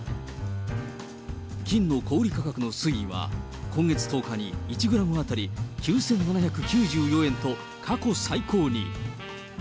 金の小売り価格の推移は、今月１０日に１グラム当たり９７９４円と、過去最高に。